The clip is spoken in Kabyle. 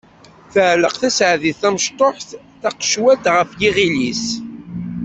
Tɛelleq Tasaɛdit tamecṭuḥt taqecwalt ɣer yiɣil-is.